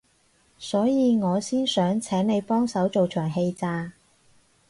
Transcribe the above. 所以我先想請你幫手做場戲咋